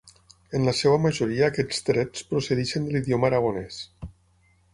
En la seva majoria aquests trets procedeixen de l'idioma aragonès.